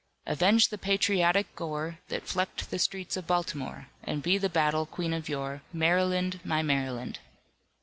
Avenge the patriotic gore That flecked the streets of Baltimore And be the battle queen of yore, Maryland, my Maryland!"